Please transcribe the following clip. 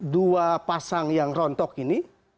dua pasang yang rontok ini